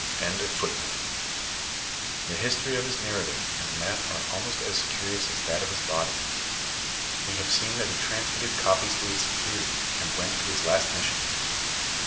* The history of his narrative and map are almost as cnrions as that of his body. We have seen tliat he transmitted copies to his superior, and went to his last mission.